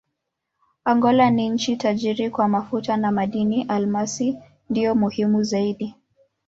Angola ni nchi tajiri kwa mafuta na madini: almasi ndiyo muhimu zaidi.